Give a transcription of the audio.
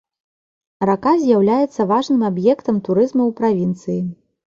Рака з'яўляецца важным аб'ектам турызму ў правінцыі.